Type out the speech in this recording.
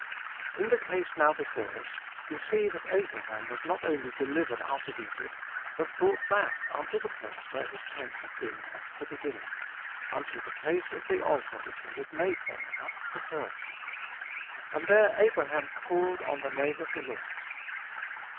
In the case now before us, we see that Abraham was not only delivered out of Egypt, but brought back "unto the place where his tent had been at the beginning, ... unto the place of the altar which he had made there at the first: and there Abraham called on the name of the Lord."